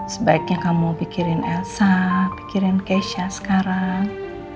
sebaiknya kamu pikirin elsa pikirin keisha sekarang